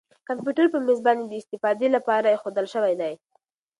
کمپیوټر په مېز باندې د استفادې لپاره اېښودل شوی دی.